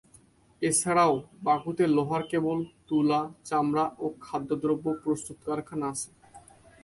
এছাড়াও বাকুতে লোহার কেবল, তুলা, চামড়া ও খাদ্যদ্রব্য প্রস্তুত কারখানা আছে।